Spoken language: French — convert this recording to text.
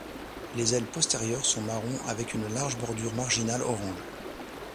Les ailes postérieures sont marron avec une large bordure marginale orange.